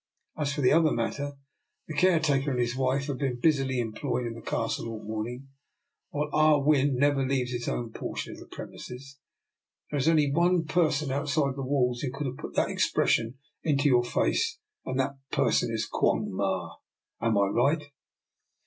As for the other matter, the caretaker and his wife have been busily employed in the Castle all the morning, while Ah Win never leaves his own portion of the premises. DR. NIKOLA'S EXPERIMENT. 227 There is only one person outside the walls who could have put that expression into your face, and that person is Quong Ma. Am I right?